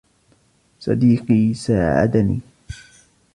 صديقي ساعدني.